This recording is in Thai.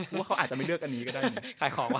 ว่าเขาอาจจะไม่เลือกอันนี้ก็ได้ขายของว่ะ